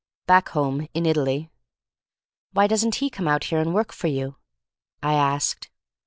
Back home — in Italy." "Why doesn't he come out here and work for you?" I asked.